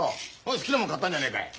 好きなもん買ったんじゃねえかい。